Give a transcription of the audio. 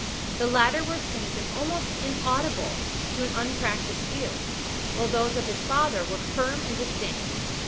The latter were faint, and almost inaudible to an unpractised ear, while those of his father were firm and distinct.